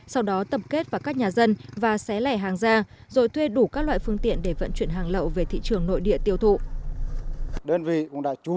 sau đó tập kết vào các nhà dân và xé lẻ hàng ra rồi thuê đủ các loại phương tiện để vận chuyển hàng lậu về thị trường nội địa tiêu thụ